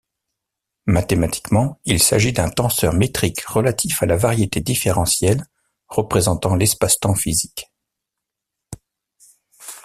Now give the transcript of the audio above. Mathématiquement, il s'agit d'un tenseur métrique relatif à la variété différentielle représentant l'espace-temps physique.